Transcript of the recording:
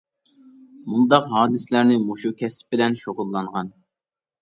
مۇنداق ھادىسىلەرنى مۇشۇ كەسىپ بىلەن شۇغۇللانغان.